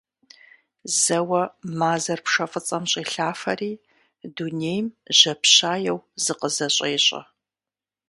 Зэуэ мазэр пшэ фӀыцӀэм щӀелъафэри, дунейм жьапщаеу зыкъызэщӀещӀэ.